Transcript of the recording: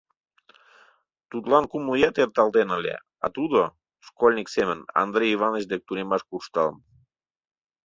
Тудлан кумло ият эрталтен ыле, а тудо, школьник семын, Андрей Иваныч дек тунемаш куржталын.